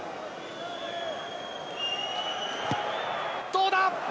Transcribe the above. どうだ？